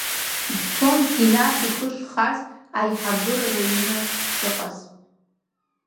Дцон Синаҭ ихы шхаз Аиҳабыра рыҩны шыҟаз.